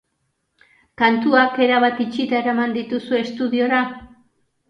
Kantuak erabat itxita eraman dituzue estudiora?